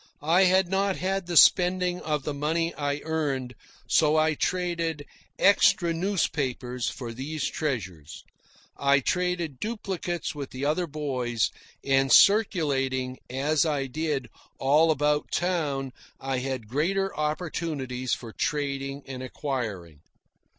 I had not had the spending of the money I earned, so I traded "extra" newspapers for these treasures. I traded duplicates with the other boys, and circulating, as I did, all about town, I had greater opportunities for trading and acquiring.